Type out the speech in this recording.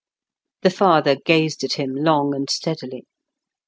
The father gazed at him long and steadily.